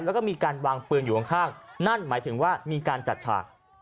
แล้วก็มีการวางปืนอยู่ข้างนั่นหมายถึงว่ามีการจัดฉาก